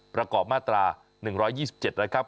ประกอบมาตรา๑๒๗นะครับ